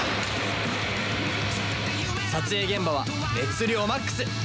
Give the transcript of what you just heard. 撮影現場は熱量マックス！